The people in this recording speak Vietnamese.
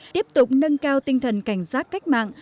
tiếp tục nâng cao tinh thần cảnh giác cách mạng